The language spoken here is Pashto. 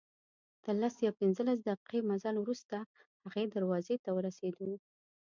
تر لس یا پنځلس دقیقې مزل وروسته هغې دروازې ته ورسېدو.